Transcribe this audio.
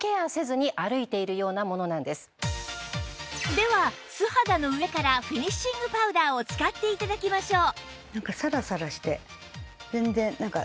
では素肌の上からフィニッシングパウダーを使って頂きましょう